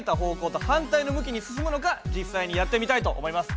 実際にやってみたいと思います。